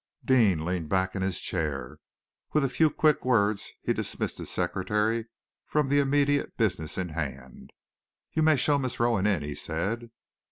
Deane leaned back in his chair. With a few quick words he dismissed his secretary from the immediate business in hand. "You may show Miss Rowan in," he said.